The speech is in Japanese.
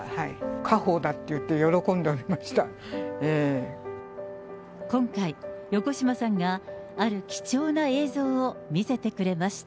家宝だって言って、今回、横島さんがある貴重な映像を見せてくれました。